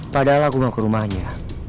padahal aku mau ke rumahnya